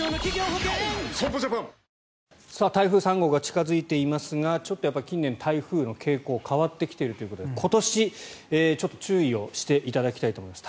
損保ジャパン台風３号が近付いていますがちょっと近年、台風の傾向が変わってきているということで今年、ちょっと注意をしていただきたいと思います。